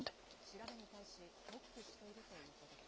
調べに対し、黙秘しているということです。